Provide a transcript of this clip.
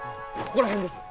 ここら辺です！